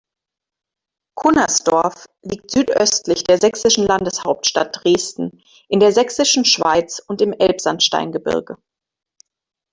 Cunnersdorf liegt südöstlich der sächsischen Landeshauptstadt Dresden in der Sächsischen Schweiz und im Elbsandsteingebirge.